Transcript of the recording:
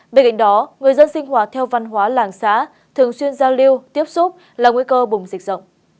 bên cạnh đó người dân sinh hoạt theo văn hóa làng xã thường xuyên giao lưu tiếp xúc là nguy cơ bùng dịch rộng